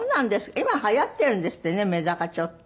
今流行ってるんですってねメダカちょっと。